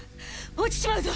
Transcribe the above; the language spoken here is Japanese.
落ちちまうぞ！